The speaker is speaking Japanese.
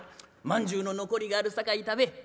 まんじゅうの残りがあるさかい食べ。